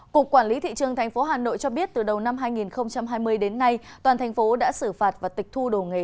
cục quản lý thị trường tp hà nội cho biết từ đầu năm hai nghìn hai mươi đến nay toàn thành phố đã xử phạt và tịch thu đồ nghề